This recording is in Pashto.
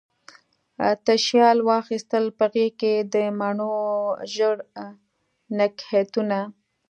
تشیال واخیستل په غیږکې، د مڼو ژړ نګهتونه